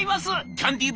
キャンディー